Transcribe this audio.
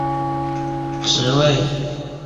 不同的职位对候选人均有最低年龄的限制。